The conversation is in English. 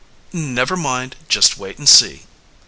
"Never mind. Just wait and see."